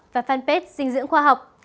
và fanpage dinh dưỡng khoa học